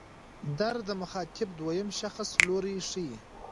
در د مخاطب دویم شخص لوری ښيي.